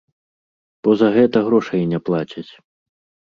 Бо за гэта грошай не плацяць.